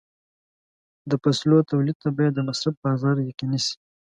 د فصلو تولید ته باید د مصرف بازار یقیني شي.